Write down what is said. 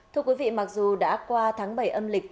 thưa quý vị mặc dù đã qua tháng bảy âm lịch